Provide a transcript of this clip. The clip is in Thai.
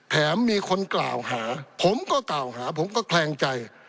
แถมมีคนกล่าวหาผมก็กล่าวหาผมก็แคลงใจ